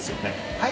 はい。